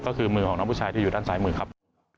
ก็คือมือของน้องผู้ชายที่อยู่ด้านซ้ายมือครับ